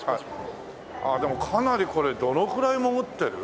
ああでもかなりこれどのくらい潜ってる？